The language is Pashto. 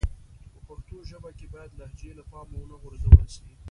په پښتو ژبه کښي بايد لهجې له پامه و نه غورځول سي.